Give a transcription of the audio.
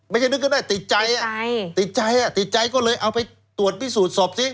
ไม่ใช่นึกขึ้นได้ติดใจอ่ะติดใจอ่ะติดใจก็เลยเอาไปตรวจพิสูจน์ศพสิ